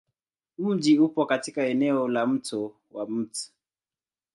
Mji upo katika eneo la Mto wa Mt.